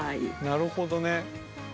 なるほどね。